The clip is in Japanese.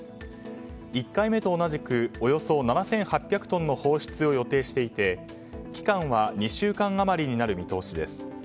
１回目と同じくおよそ７８００トンの放出を予定していて期間は２週間余りになる見通しです。